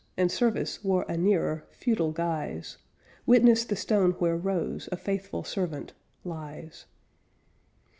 And service wore a nearer, feudal guise Witness the stone where "Rose, A faithful servant," lies.